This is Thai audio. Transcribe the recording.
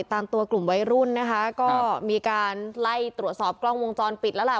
ตามตัวกลุ่มวัยรุ่นนะคะก็มีการไล่ตรวจสอบกล้องวงจรปิดแล้วล่ะ